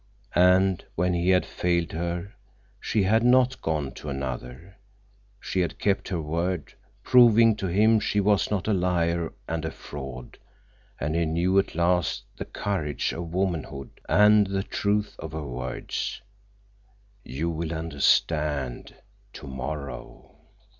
And when he had failed her, she had not gone to another. She had kept her word, proving to him she was not a liar and a fraud, and he knew at last the courage of womanhood and the truth of her words, "You will understand—tomorrow."